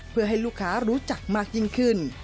เพื่อให้ลูกค้ารู้จักมากยิ่งขึ้น